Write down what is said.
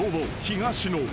東野］